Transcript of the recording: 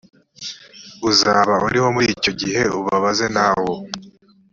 uzaba uriho muri icyo gihe ubabaze na bo